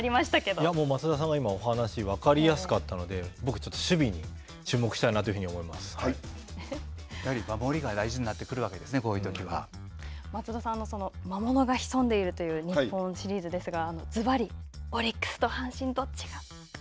もう松田さんが今お話、分かりやすかったので、僕、ちょっと守備に注目したいなというふうに思やはり守りが大事になってくる松田さん、魔物が潜んでいるという日本シリーズですが、ずばり、オリックスと阪神、どっちが。